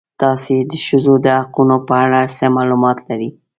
تاسې د ښځو د حقونو په اړه څه معلومات لرئ؟